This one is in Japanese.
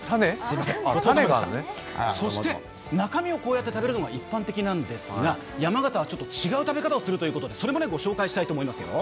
そして中身をこうやって食べるのが一般的なんですが、山形はちょっと違う食べ方をするということでご紹介しましょう。